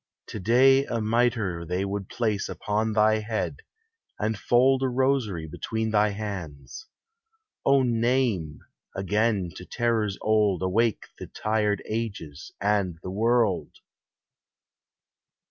To day a mitre they would place upon Thy head, and fold a rosary between Thy hands. O name ! again to terrors old Awake the tired ages and. the world